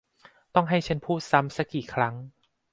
ต้องให้ฉันพูดซ้ำซะกี่ครั้ง !